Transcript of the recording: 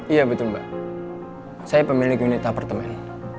iya betul mbak saya pemilik unit apartemen